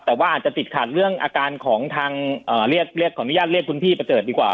แต่ว่าอาจจะติดขัดเรื่องอาการของทางขออนุญาตเรียกคุณพี่ประเสริฐดีกว่า